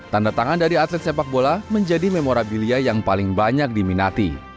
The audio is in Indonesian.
tanda tangan dari atlet sepak bola menjadi memorabilia yang paling banyak diminati